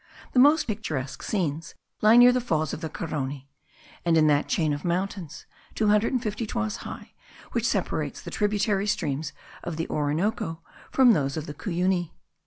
The most picturesque scenes lie near the falls of the Carony, and in that chain of mountains, two hundred and fifty toises high, which separates the tributary streams of the Orinoco from those of the Cuyuni.